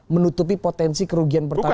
menutupi potensi kerugian pertamina